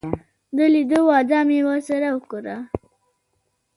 د لیدلو وعده مې ورسره وکړه.